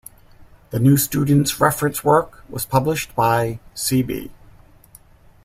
"The New Student's Reference Work" was published by "C. B.